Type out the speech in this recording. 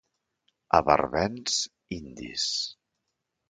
A Barbens, indis.